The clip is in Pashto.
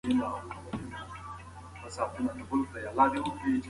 تاریخي واقعیتونه زموږ پوهه زیاته کړې ده.